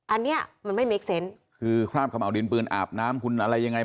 อันนี้มันไม่เมคเซนต์คือคราบขม่าวดินปืนอาบน้ำคุณอะไรยังไง